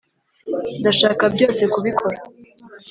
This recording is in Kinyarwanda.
ndashaka byose kubikora.